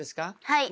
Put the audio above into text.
はい。